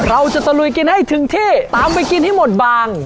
ตะลุยกินให้ถึงที่ตามไปกินให้หมดบาง